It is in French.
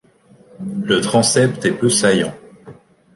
Le transept est peu saillant.